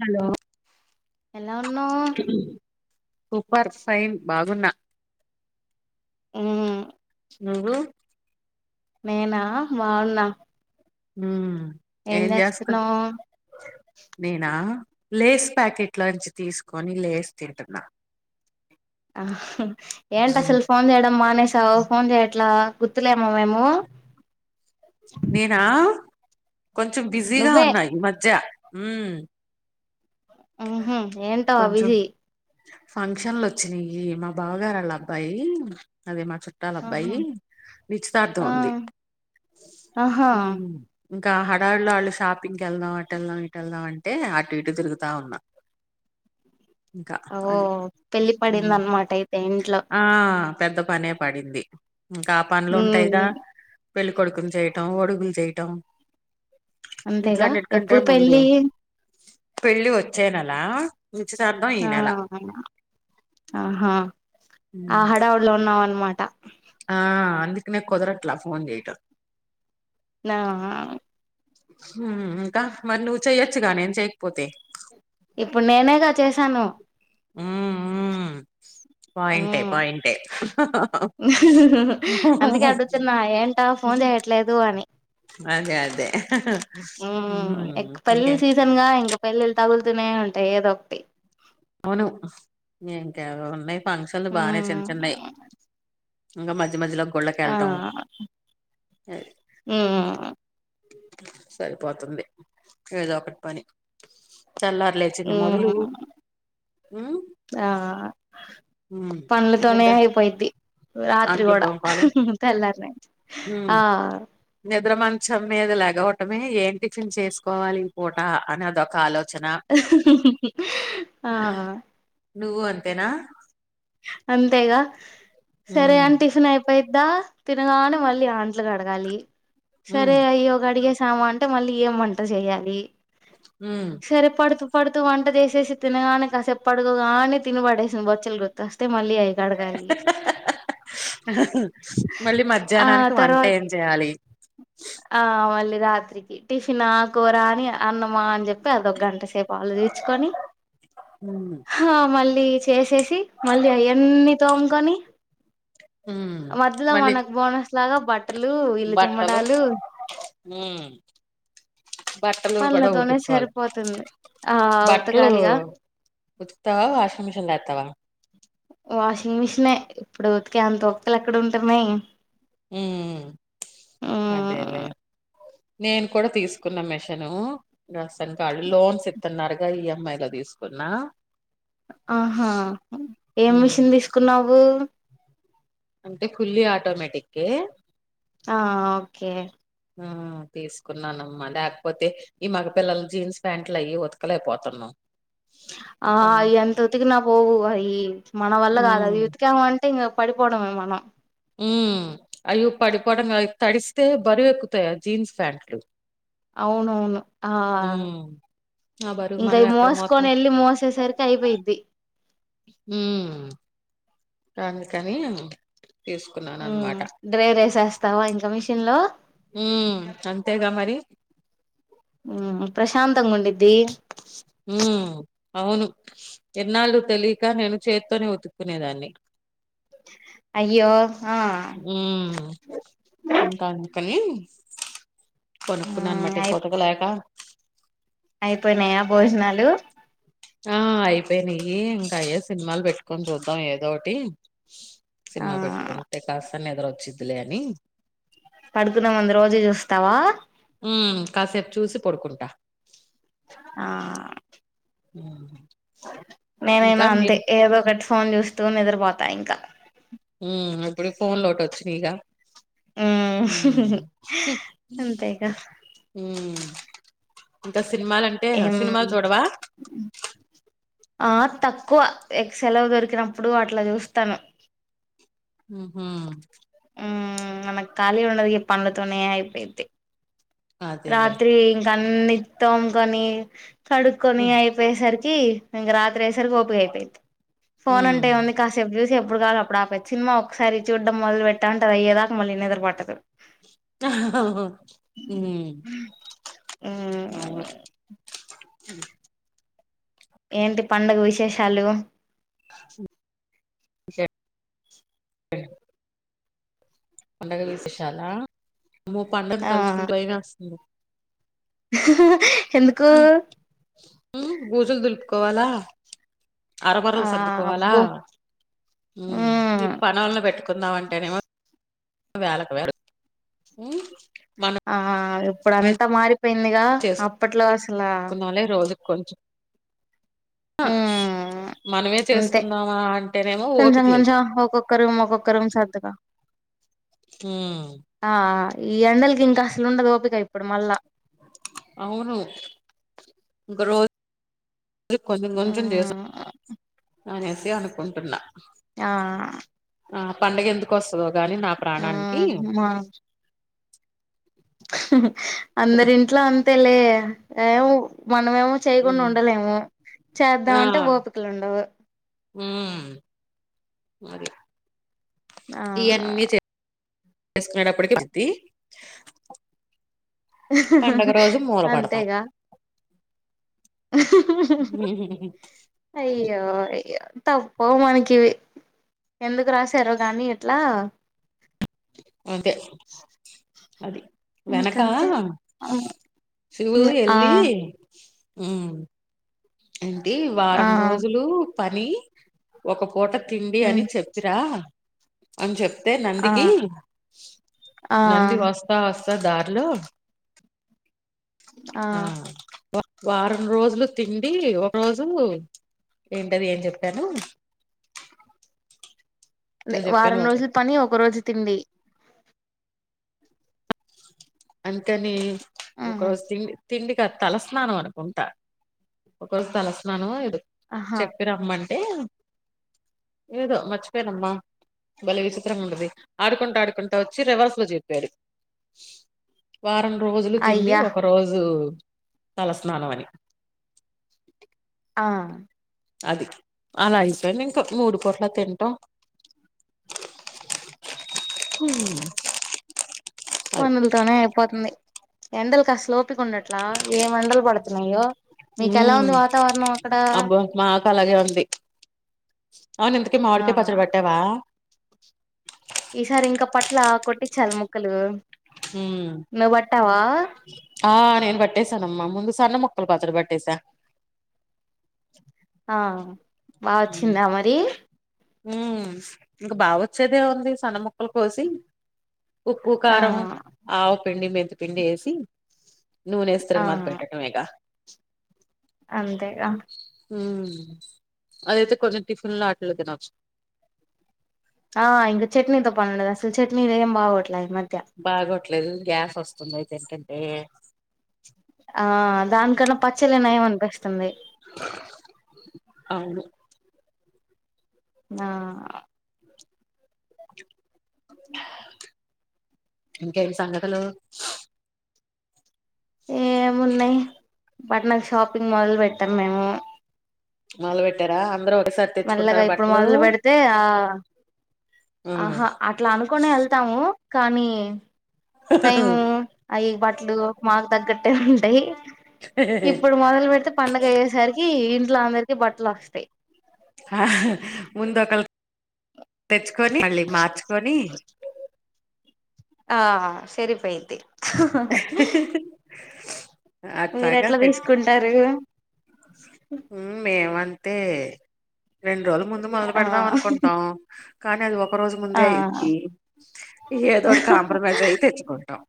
Hello ఎలా ఉన్నావ్ super fine బాగున్న ఉమ్. నువ్వు నేనా బాగున్నా. ఉమ్ ఏం చేస్తున్నావ్. లేస్ ప్యాకెట్లోంచి తీసుకొని లేస్ తింటున్నా. ఆహా ఏంటాసలు ఫోన్ చేయడం మానే. సవ్ ఫోన్ చేయట్లే గుర్తులేమ మేము. నేనా కొంచెం బిజీగా నువ్వే ఉన్నా ఈ మధ్య ఉమ్. ఉహ్ ఏంటా ఆ కొంచెం బీజీ. ఫంక్షన్లు వచ్చినాయి మా బావగారల్ల అబ్బాయి అదే మా చు. చుట్టాల ఆహా అబ్బాయి నిశ్చితార్థం ఆ ఉంది ఆహా ఉమ్. ఆహ్ ఇంకా హడావిడిల్లో వాళ్ళు షాపింగ్కి వెళ్దాం అటు వెళ్దాం ఇటు వెళ్దాం అంటే అటు ఇటు తిరుగుతా ఉన్నా. ఇంకా ఓ అది పెళ్లి పడింది ఉమ్ అన్నమాట అయితే ఇంట్లో ఆహ్. పెద్ద పనే పడింది ఇంకా ఆ పనులు ఉంటాయిగా మ్మ్ పెళ్లి కొడుకుని చేయి. ఆహ్ ఒడుగులు చేయటం అంతేగా వీట్లన్నిటికంటే ఎప్పుడు ముందు. పెళ్ళి పెళ్ళి వచ్చేనెల. ఆహ్ ఆహా ఆహ్ ఆ హడావిడుల్లో ఉన్నావన్న. మాట. ఆహ్ అందుకాని కుదరట్లే ఫోన్ చేయటం. ఆహ్ ఆహ్. ఉమ్ ఇంకా మరి నువ్వు చెయ్యొచ్చుగా నేను చేయకపోతే. ఇప్పుడు నేనేగా చేసాను. ఉమ్ ఉమ్. పోయుంటాయి మ్మ్ పోయుంటాయి. అందుకే అడుగుతున్నా ఏంటా ఫోన్ చేయట్లేదు అని. అదే ఉమ్ హ్మ్. పెళ్లి ఇంకే సీజన్ గా ఇంకా పెళ్లిలు తగులుతూనే ఉన్. ఏదోక్టి. అవును ఇంకేవో ఉన్నాయి ఫంక్షన్లు బానే చిన్న మ్మ్ చిన్నయి. పది మందిలా ఆ గుడ్లాకేళ్టం. మ్మ్ సరిపోతుంది ఏదో ఒకటి పని. తెల్లారి లేచింది మొదలు మ్మ్ ఉమ్. ఉమ్ పండ్లతోనే నిద్ర అయిపోయిద్ది రాత్రి అంట్లు కూడా తోమాలి తెల్లార్నే. ఉమ్. నిద్ర మంచం మీద లగవటమే ఏం టిఫిన్ చేసుకోవాలి ఈ పూట అని అదొ ఒక ఆలోచన. ఆహ్. నువ్వు అంతేనా. అంతేగా సరే ఉమ్ అని టిఫిన్ అయిపోయిద్దా. తినగానే మళ్ళీ అంట్లు కడగాలి ఉమ్ సరే అయ్యో కడిగేసీ. ఆమె అంటే మళ్ళీ ఏం వంట చేయాలి ఉమ్ సరిపడతు. పడుతూ వంట చేసేసి తినగానే కాసేపు పడుకోగానే తినబడేసింది బొచ్చలు గుర్తొస్తే మళ్ళీ. ఏవి కడగాలి. ఆహ్ మళ్ళీ మధ్యాహ్నానికి వంట ఏం చేయాలి. ఆహ్ మళ్ళీ రాత్రికి టిఫిన్ ఆ కూరా అని అన్నమా అని చెప్పి అదో ఒక గంట సేపు. సేపు ఆలోచించుకొని. ఉమ్ ఆహ్ మళ్ళీ చేసేసి మళ్ళీ అయన్నీ తోమ్కొని. ఉమ్ మధ్యలో మళ్ళీ మనకు బోనస్ లాగా. బట్టలు ఇల్లు బట్టలు చిమ్మటాలు ఉమ్. బట్టలు కూడా పనులతోనే ఉతుక్కోవాలి సరిపోతుంది ఆ బట్టలు. ఉతకాలిగా ఉతుకుతవ వాషింగ్ మిషిన్ లో ఎత్తవా. వాషింగ్ మెషిన్నే ఇప్పుడు ఉతికే అంత ఒపికలు ఎక్కడ ఉంటున్నాయి. ఉమ్ అదేలేే. నేను కూడా తీసుకున్న మిషను రసన్కాల్ లోన్స్ ఇస్తున్నారుగా ఈఎంఐ లది తీసుకున్నా ఆహా ఏం ఉమ్ మిషన్ తీసుకున్నావు? అంటే ఫుల్లీ ఆటోమేటిక్కె ఆ ఓకే మ్ తీసుకున్నానమ్మా లేకపోతే ఈ మగ పిల్లలు జీన్స్ ప్యాంట్లు అయి ఉతకలైపోతున్నాం. ఆ అయి ఎంత ఉతికినా పోవు అయి మన వల్ల కాదు అది ఉమ్ ఉతికాము అంటే ఇంక పడిపోడమే మనం మ్ అయ్యో పడిపోవడం అయి తడిస్తతే బరువుఎక్కుతై ఆ జీన్స్ ప్యాంట్లు. అవునవును ఆ ఉమ్ ఆ బరువు మనం ఇంకాయి ఎక్కడ మోసుకొని మోతాం ఏళ్ళి మోసేసరికి అయిపోయిద్ది. ఉమ్ అందుకని తీసుకున్నాను మ్ అనమాట డ్రైర్ ఏసేస్తావా ఇంకా మిషన్ లో? ఉమ్ అంతేగా మరి శాంతంగా ఉండిద్ది. ఉమ్ అవును ఇన్నాళ్లు తెలియక నేను చేత్తోనే ఉతుక్కునేదాన్ని. అయ్యో ఆ ఉమ్ ఇంక కానీ కొనుక్కున్నానమాట ఉమ్ ఇంక అయి ఉతకలేక అయిపోయినాయా భోజనాలు? ఆ అయిపోయినాయ్యి ఇంకా అయ సినిమాలు పెట్టుకొని చూద్దాం ఏదోటి ఆ సినిమా పెట్టుకుంటే కాస్త నిద్ర వచ్చిద్లే అని పడుకున్న ముంది రోజే చూస్తావా? ఉమ్ కాసేపు చూసి పడుకుంటా. ఆ ఉమ్ ఇంకా నేనైనా అంతే మీరు ఏదో ఒకటి ఫోన్ చూస్తూ నిద్రపోతా ఇంకా. ఉ ఇప్పుడు ఫోన్ లోటి ఒచ్చినైగా హ్మ్ కి అంతేగా ఉమ్ ఇంకా సినిమలంటే ఏం సినిమాలు చూడవా? ఆ తక్కువ ఎక్ సెలవు దొరికినప్పుడు అట్లా చూస్తాను. ఉహ్ ఉ మనక కాలి ఉన్నది పన్నతోన్నేయిపోయితే అదేలే రాత్రి తన్ని తోముకొని కడుక్కొని ఉమ్ అయిపోయేసర్ కి ఇంక రాత్ర అయేసరికి ఆపే ఐతై ఫోన్ అంటే ఉమ్ ఉంది కాసేపు చుసి స్తే ఎప్పుడు కావాల అప్పుడు ఆపేయాచు సినిమా ఒకసారి చూడం మొదలు పెటంటే అయ్యదాక మళ్ళీ నిద్ర పట్టదు. అహ్హ్ మ్ హ్మ్ అవును ఏంటి పండుగ విశేషాలు? ఏ ఏ పండగ విశేషాల అమ్మో పండుగ తలుచుకుంటె భయం వేస్తుంది. హ్హ్హ్ ఉ భూసులు దులుపుకోవాల? అరబరలు ఆ సర్దుకోవాలా అబ్బో ఉ ఈ హ్మ్ పన్నోని పెట్టుకుందామం టెనేమో వేలక్ వేలు ఉ ఆహ ఇప్పుడు అంతా మారిపోయిందిగా అప్పట్లో అసల కోజి కొంచ్ ఆ మ్మ్ మనమే అంతే చేసుకుందామా అంటేనేమో కొంచెం ఓపిక లేదు కొంచెం ఒక్కొక్క రూమ్ ఒక్కొక్క రూమ్ సర్దుతా ఉ ఆ ఈ ఎండలకి ఇంకా అసలు ఉండదు ఓపిక ఇప్పుడు మళ్ళా అవును ఒగ రో జు కొంచెంకొంచెం చేస మ్మ్ అనేసి అనుకుంటున్నా ఆ ఆ పండగ ఎందుకు వస్తదో గాని నా ప్రాణానికి మ్మ్ మా అందరి ఇంట్లో అంతేలే ఏవు మనమేమో చేయకుండా ఉండలేము. ఆ చేద్దామంటే ఓపికలు ఉండవు. ఉమ్ మరి ఆ చేసుకునేటప్పటికి పతి అంతేగా అయ్యో అయ్యో తప్పవ్ మనకి ఇవి ఎందుకు రాశారో కానీ ఇట్లా అంతే అది వెనక ఇంకంతే ఆ శివు హ్మ్. ఆ ఎల్లి ఉ ఏంటి ఆ వారం రోజులు పని ఒక ట తిండి అని హ్మ్. చెప్పిరా అని చెప్ వస్తే ఆ నందికి ఆ నంది వస్తా వస్తా దారిలో ఆ వారం రోజులు తిండి ఒకరోజు ఏంటది ఏం చెప్పాను ఏదో చెప్పాను వారం బాబు రోజులు పని ఒక రోజు తిండి అంతనే హ్మ్. ఒకరోజు తిండి తిండి త తలస్నానం అనుకుంటా ఒక రోజు తలస్నానం ఇ ఆహా చెప్పి రమ్మం ఏదో మర్చిపోయినమ్మ బలే విచిత్రంగా ఉంటది ఆడుకుంటా ఆడుకుంటా వచ్చి రివర్స్ లో చెప్పాడు. వారం రోజులు తిండి అయ్యా ఒక రోజు తలస్నానం అని ఆ అది అలా అయిపోయింది ఇంక మూడు పూట్ల తింటాం. అది పనులతోనే అయిపోతుంది ఎండలు కసలు డట్లా ఏ ఎండలు పడుతున్నాయో మీకె ఎలా ఉమ్ ఉంది వాతావరణం అక్కడ అబ్బో మాకు అలాగే ఉంది. అవును ఇంతకి ఆ మామిడికాయ్ పచ్చడి పెట్టావా. ఈసారి ఇంకా పట్ల కొట్టిచ్చాలి ముక్కలు ఉమ్ నువ్వు పట్టావా ఆ నేన్ పట్టేసానమ్మ ముందు సన్న ముక్కల్ పచ్చడి పట్టేసా ఆ బా వచ్చిందా మరి ఉ ఇంకా బాగ వచ్చేదే ఉంది సన్న మక్కలు కోసి ఉప్పు ఆ కారం ఆవు పిండి మెంతి పిండి వేసి నూనె ఎస్తరు గా మత్ పెట్టటంఎగ అంతేగా ఉ అదైతే కొంచెం టిఫిన్ ల ఆటలే తినచ్చ ఆ ఇంకా చట్నీతో పనిఉండదు. అసలు చట్నీ ఏం బావట్లే ఇమ బాగోట్లేదు గ్యాస్ వస్తుంది అయితే ఎటంటే ఆ దాని కన్నా పచ్చల నయం అనిపిస్ అవును ఆ ఇంకేటీ సంగతులు ఏమున్నయి బట్నల షాపింగ్ మాల్ పెట్టము మేము మాల్బెట్టార అంద్రు మెల్లగా ఇప్పుడు మొదలు పెడితే ఆ ఆ ఆహా అట్లా అనుకునే వెళ్తాము కానీ ట్లు మాకు తగ్గట్టగా ఉంటాయి ఇప్పుడు మొదలు పెడితే పండగ అయ్యేసరికి ఇంట్ల అందరికి బట్టలు వస్తాయి ముందు ఒకళ తెచ్చుకొని మళ్ళీ మార్చుకొని ఆ సరి పైది అట్లాగా పెట్ తీసుకుంటారు ఊ మేమంతే రెండు రోజుల ముందు మొదలు ఆ పెడదాం అనుకుంటాం కానీ అది ఒక ఒక రోజు ఆ ముందే అయిది ఏదోటి కాంప్రమైజ్ అయి తెచ్చుకుంటాం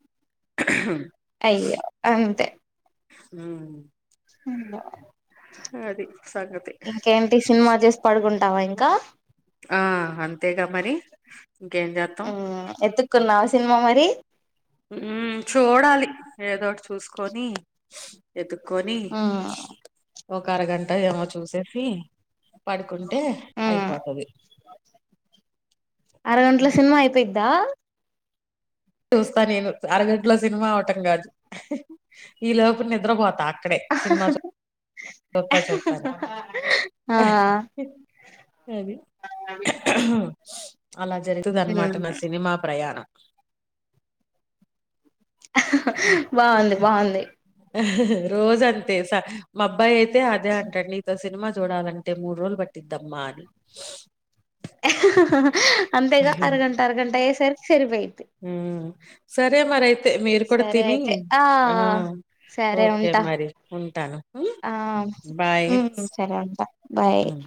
అయ్యో అంతే ఊ ఇంగ అది సంగతి ఇంకేంటి సినిమా జూసి పడుకుంటావా ఇంకా ఆ అంతేగా మరి ఇంకేం చేత్తాం ఆ ఎతుకున్నావ సినిమా మరి ఉ చూడాలి ఏదోటి చూసుకొని ఎతుకొని మ్మ్ ఒక అరగంట ఏమో చూసేసి పడుకుంటే మ్మ్ అయిపోతది అరగంటల అదె సినిమా అయిపోయిద్దా చూస్తా నేను అరగడ్లో సినిమా అవటం కాదు ఈ లోపు నిద్రపోతా అక్కడే సినిమా చు చూత్తా చూత్తా అని ఆ అది అలా జరుగుతది అన్నమాట మ్మ్ నా సినిమా ప్రయాణం బాగుంది బాగుంది రోజ అం తెస మా అబ్బాయి అయితే అదే అంటండు నీతో సినిమా చూడాలంటే మూడు రోజులు పట్టిద్దమ్మా అని అంతేగా అరగంట అరగంట అయ్యేసరి సరిపోయింది ఊ సరే మరి అయితే మీర్కుడ సరే తిని అయితే ఆ సరే ఓకే ఉంటా మరి ఉంటాను ఆ బాయ్ మ్మ్ సరే ఉంటా బాయ్ ఉ